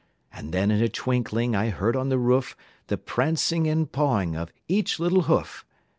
And then in a twinkling I heard on the roof, The prancing and pawing of each little hoof.